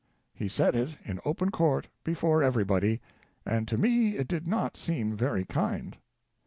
He said it in open court, before everybody, and to me it did not seem very kind.